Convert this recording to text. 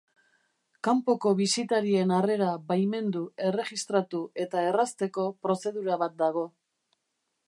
Kanpoko bisitarien harrera baimendu, erregistratu eta errazteko prozedura bat dago.